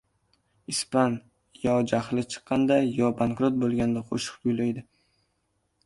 • Ispan yo jahli chiqqanda yo bankrot bo‘lganda qo‘shiq kuylaydi.